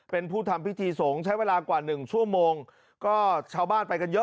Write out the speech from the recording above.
เป็นผู้ทำพิธีสงฆ์ใช้เวลากว่าหนึ่งชั่วโมงก็ชาวบ้านไปกันเยอะ